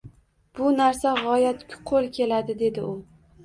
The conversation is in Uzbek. bu narsa g‘oyat qo‘l keladi, — dedi u.